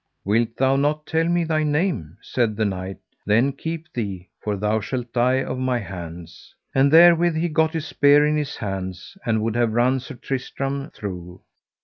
Wilt thou not tell me thy name? said that knight; then keep thee, for thou shalt die of my hands. And therewith he got his spear in his hands, and would have run Sir Tristram through.